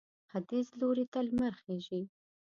ختیځ لوري ته لمر خېژي.